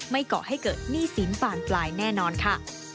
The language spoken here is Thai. ก่อให้เกิดหนี้สินบานปลายแน่นอนค่ะ